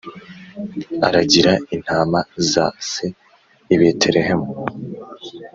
aragira intama za se i Betelehemu